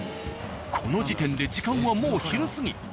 この時点で時間はもう昼過ぎ。